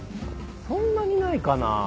そんなにないかな。